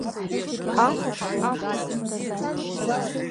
Ас акәмызт.